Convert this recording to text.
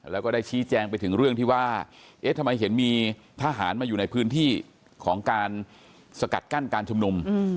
แล้วก็ได้ชี้แจงไปถึงเรื่องที่ว่าเอ๊ะทำไมเห็นมีทหารมาอยู่ในพื้นที่ของการสกัดกั้นการชุมนุม